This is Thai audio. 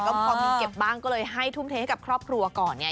พอมีเก็บบ้านก็ให้ทุ่มเถ้กับครอบครัวก่อน